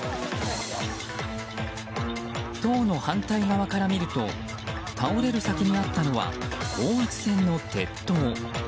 塔の反対側から見ると倒れる先にあったのは高圧線の鉄塔。